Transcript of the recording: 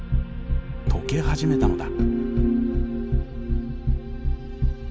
溶け始めたのだ。